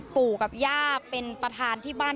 ปู่กับย่าเป็นประธานที่บ้าน